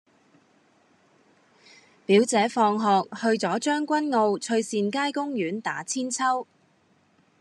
表姐放學去左將軍澳翠善街公園打韆鞦